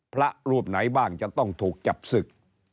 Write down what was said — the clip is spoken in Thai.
พระรูปไหนบ้างจะต้องถูกจับศึก